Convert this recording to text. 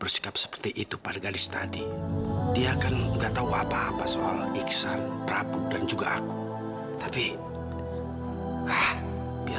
sampai jumpa di video selanjutnya